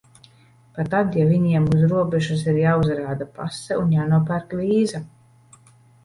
Pat tad, ja viņiem uz robežas ir jāuzrāda pase un jānopērk vīza.